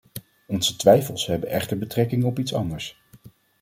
Onze twijfels hebben echter betrekking op iets anders.